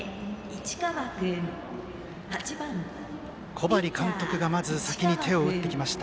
小針監督が先に手を打ってきました。